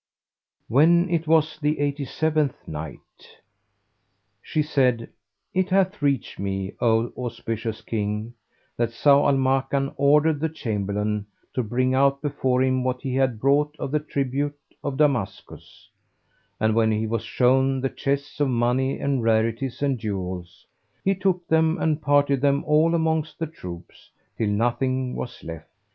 When it was the Eighty seventh Night, She said, It hath reached me, O auspicious King, that Zau al Makan ordered the Chamberlain to bring out before him what he had brought of the tribute of Damascus; and, when he was shown the chests of money and rarities and jewels, he took them; and parted them all amongst the troops, till nothing was left.